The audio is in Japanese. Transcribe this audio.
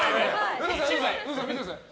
ウドさん、見てください。